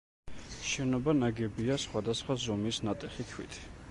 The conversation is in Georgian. შენობა ნაგებია სხვადასხვა ზომის ნატეხი ქვით.